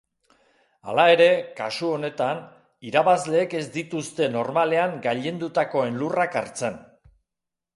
Hala ere, kasu honetan, irabazleek ez dituzte normalean gailendutakoen lurrak hartzen.